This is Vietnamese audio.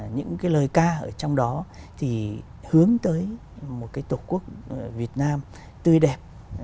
những cái lời ca ở trong đó thì hướng tới một cái tổ quốc việt nam tươi đẹp